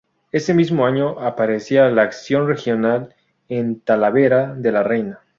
Ese mismo año aparecía "La Acción Regional" en Talavera de la Reina.